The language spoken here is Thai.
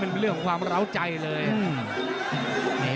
มันต้องอย่างงี้มันต้องอย่างงี้